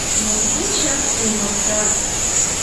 Моткочак умыр кас.